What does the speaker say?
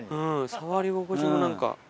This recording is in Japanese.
触り心地も何か。